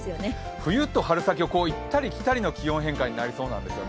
冬と春先を行ったり来たりの気温変化になりそうなんですよね。